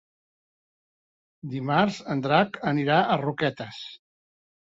Dimarts en Drac anirà a Roquetes.